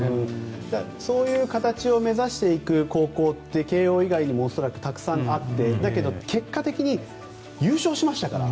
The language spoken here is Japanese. そういう形を目指していく高校って慶応以外にも恐らくたくさんあってだけど、結果的に優勝しましたから。